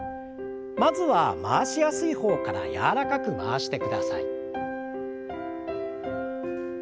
まずは回しやすい方から柔らかく回してください。